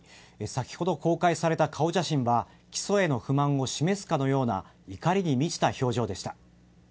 先ほど公開された顔写真は起訴への不満を示すかのような怒りに満ちた表情でした。